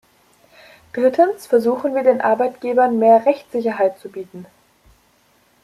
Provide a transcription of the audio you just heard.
Drittens versuchen wir, den Arbeitgebern mehr Rechtssicherheit zu bieten.